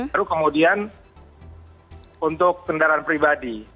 baru kemudian untuk kendaraan pribadi